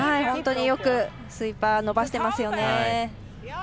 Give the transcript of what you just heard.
本当によくスイーパー、伸ばしていますよね。